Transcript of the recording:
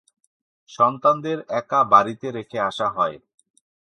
সন্তানদের একা বাড়িতে রেখে আসা হয়।